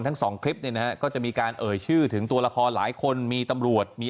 ทั้งสองคลิปเนี่ยนะฮะก็จะมีการเอ่ยชื่อถึงตัวละครหลายคนมีตำรวจมี